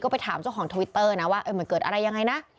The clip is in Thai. ไปถามเจ้าของทวิตเตอร์นะว่ามันเกิดอะไรยังไงนะ